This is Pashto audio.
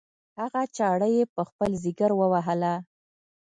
هغه چاړه یې په خپل ځګر ووهله.